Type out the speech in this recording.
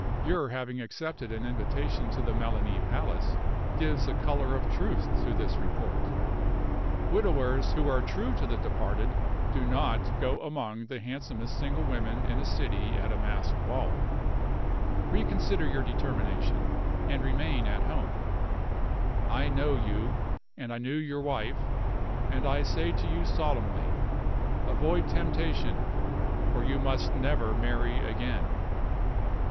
Your having accepted an invitation to the Melani Palace gives a color of truth to this report. Widowers who are true to the departed do not go among all the handsomest single women in a city at a masked ball. Reconsider your determination, and remain at home. I know you, and I knew your wife, and I say to you solemnly, avoid temptation, for you must never marry again.